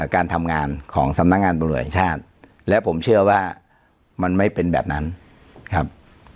การทำงานของสำนักงานตำรวจแห่งชาติและผมเชื่อว่ามันไม่เป็นแบบนั้นครับ